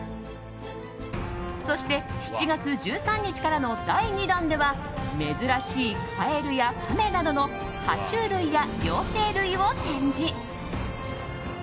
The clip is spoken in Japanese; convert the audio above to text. そして７月１３日からの第２弾では珍しいカエルや亀などの爬虫類や両生類を展示。